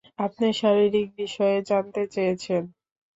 আমি শারীরিক বিষয়ে জানতে চেয়েছি।